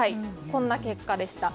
こんな結果でした。